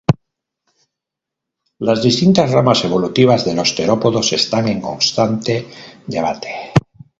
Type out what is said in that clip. Las distintas ramas evolutivas de los terópodos están en constante debate.